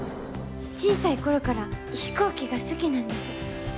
小さい頃から飛行機が好きなんです。